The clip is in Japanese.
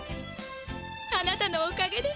あなたのおかげです。